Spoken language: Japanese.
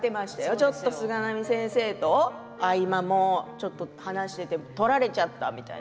ちょっと菅波先生と合間も話していて取られちゃったみたいな。